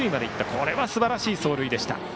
これはすばらしい走塁でした。